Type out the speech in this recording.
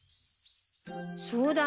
そうだね。